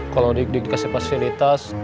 kalo dikdik dikasih fasilitas